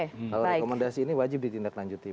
kalau rekomendasi ini wajib ditindak lanjuti